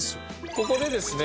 ここでですね